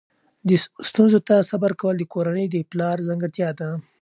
ستونزو ته صبر کول د کورنۍ د پلار ځانګړتیا ده.